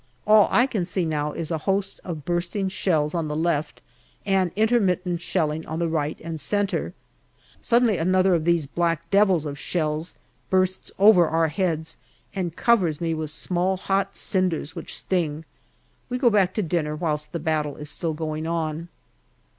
All I can see now is a host of bursting shells on the left and intermittent shelling on the right and centre. Suddenly another of these black devils of shells bursts over our heads and covers me with small hot cinders which sting. We go back to dinner whilst the battle is still going on.